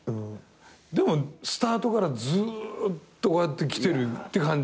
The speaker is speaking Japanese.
でもスタートからずっとこうやってきてるって感じが。